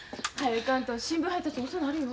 行かんと新聞配達遅なるよ。